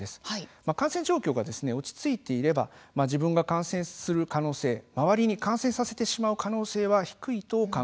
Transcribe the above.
感染状況が落ち着いていれば自分が感染する可能性周りに感染させてしまう可能性は低いと考えられます。